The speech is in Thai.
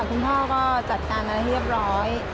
คุณพ่อก็จัดการอะไรเรียบร้อย